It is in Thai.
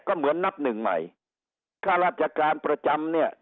ก็เหมือนนับหนึ่งใหม่ค่าราชการประจำเนี่ย